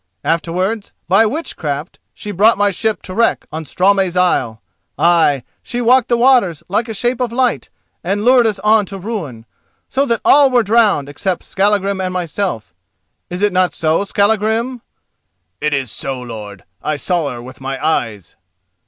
Afterwards, by witchcraft, she brought my ship to wreck on Straumey's Isle—ay, she walked the waters like a shape of light and lured us on to ruin, so that all were drowned except Skallagrim and myself. Is it not so, Skallagrim?" "It is so, lord. I saw her with my eyes."